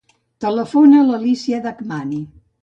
Telefona a l'Alícia Dahmani.